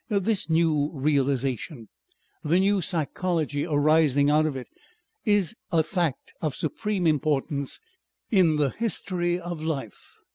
This new realization, the new psychology arising out of it is a fact of supreme importance in the history of life.